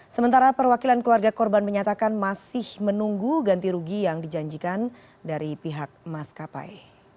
sementara perwakilan keluarga korban menyatakan masih menunggu ganti rugi yang dijanjikan dari pihak maskapai